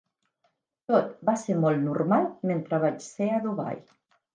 Tot va ser molt normal mentre vaig ser a Dubai.